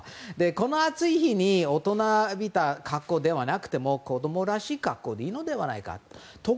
この暑い日には大人びた格好ではなくて子供らしい格好でいいのではないかと。